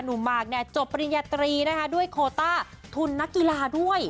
หนุ่มมากจบปริญญาตรีด้วยโคต้าทุนนักกีฬาด้วย